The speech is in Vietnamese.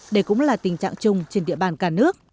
đây cũng là tình trạng chung trên địa bàn cả nước